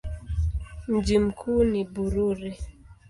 Mji mkuu ni Bururi.